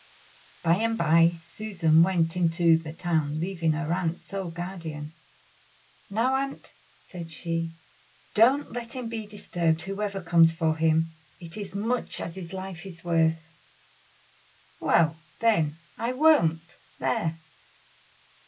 By and by Susan went into the town, leaving her aunt sole guardian. "Now, aunt," said she, "don't let him be disturbed whoever comes for him. It is as much as his life is worth!" "Well, then, I won't! there."